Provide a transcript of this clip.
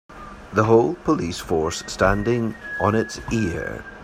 The whole police force standing on it's ear.